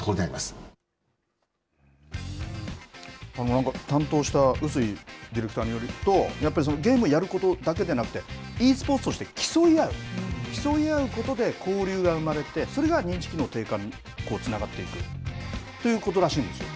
なんか担当したうすいディレクターによると、やっぱりゲームをやることだけじゃなくて、ｅスポーツとして競い合う、競い合うことで交流が生まれて、それが認知機能のにつながっていくということらしいんです。